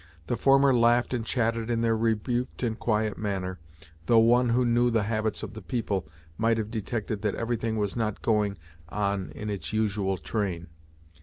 The former laughed and chatted in their rebuked and quiet manner, though one who knew the habits of the people might have detected that everything was not going on in its usual train.